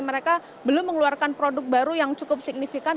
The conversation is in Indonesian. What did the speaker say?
mereka belum mengeluarkan produk baru yang cukup signifikan